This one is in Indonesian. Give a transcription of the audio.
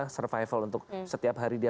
survival untuk setiap hari dia